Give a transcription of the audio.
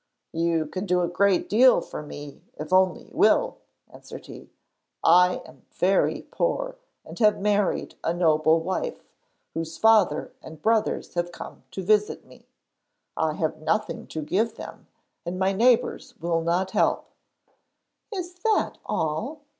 'You can do a great deal for me if you only will,' answered he. 'I am very poor and have married a noble wife, whose father and brothers have come to visit me. I have nothing to give them, and my neighbours will not help.' 'Is that all?'